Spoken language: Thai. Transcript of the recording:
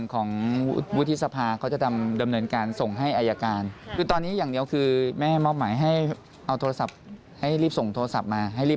เขาบอกโดยดีไหมว่าเขาจะส่งให้